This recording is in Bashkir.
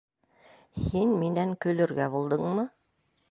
Һин минән көлөргә булдыңмы?